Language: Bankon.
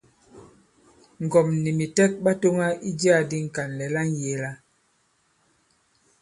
Ŋgɔ̀m nì mìtɛk ɓa tōŋa i jiā di Ŋkànlɛ̀ la ŋyēe-la.